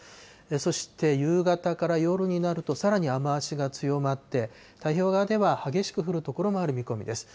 そして夕方から夜になると、さらに雨足が強まって、太平洋側では激しく降る所もある見込みです。